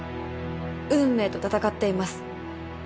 運命と闘っています。